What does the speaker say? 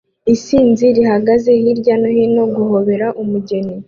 Isinzi rihagaze hirya no hino guhobera umugeni